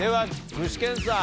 具志堅さん